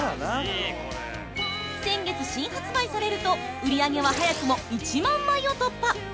先月、新発売されると売り上げは早くも１万枚を突破。